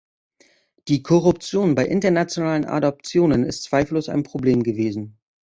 Die Korruption bei internationalen Adoptionen ist zweifellos ein Problem gewesen.